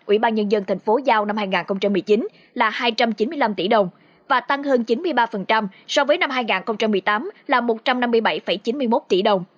ủy ban nhân dân tp giao năm hai nghìn một mươi chín là hai trăm chín mươi năm tỷ đồng và tăng hơn chín mươi ba so với năm hai nghìn một mươi tám là một trăm năm mươi bảy chín mươi một tỷ đồng